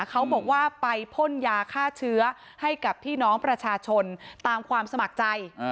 เขาบอกว่าไปพ่นยาฆ่าเชื้อให้กับพี่น้องประชาชนตามความสมัครใจ